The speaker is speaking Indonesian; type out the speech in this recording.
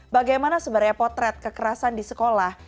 bagaimana sebenarnya potret kekerasan di sekolah